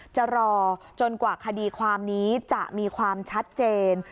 จะรอจนกว่าคดีความนี้จะมีความชัดเจน